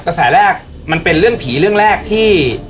แสแรกมันเป็นเรื่องผีเรื่องแรกที่